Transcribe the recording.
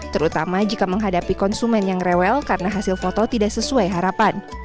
terutama jika menghadapi konsumen yang rewel karena hasil foto tidak sesuai harapan